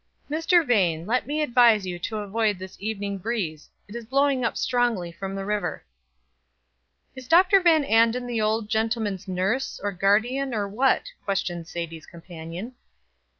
"Mr. Vane, let me advise you to avoid this evening breeze; it is blowing up strongly from the river." "Is Dr. Van Anden the old gentleman's nurse, or guardian, or what?" questioned Sadie's companion.